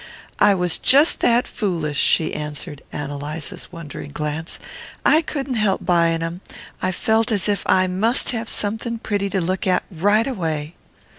"I was just that foolish," she answered Ann Eliza's wondering glance, "I couldn't help buyin' 'em. I felt as if I must have something pretty to look at right away."